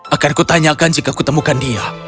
akan ku tanyakan jika ku temukan dia